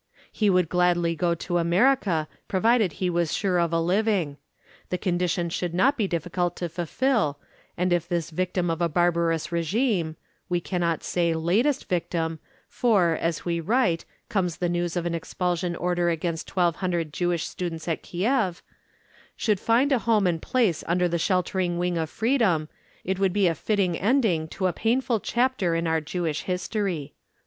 He would gladly go to America, provided he was sure of a living. The condition should not be difficult to fulfil, and if this victim of a barbarous régime we cannot say latest victim, for, as we write, comes the news of an expulsion order against 1200 Jewish students of Kieff should find a home and place under the sheltering wing of freedom, it would be a fitting ending to a painful chapter in our Jewish history."